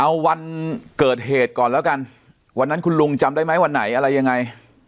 เอาวันเกิดเหตุก่อนแล้วกันวันนั้นคุณลุงจำได้ไหมวันไหนอะไรยังไง